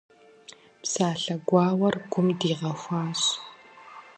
Псалъэ гуауэр гум дигъэхуащ.